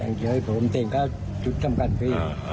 ตั้งใจเพราะมันเตรียมก็สุดสำคัญพี่